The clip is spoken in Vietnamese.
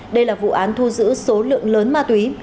đây là vụ án thu giữ số lượng lớn ma túy